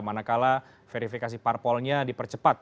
manakala verifikasi parpolnya dipercepat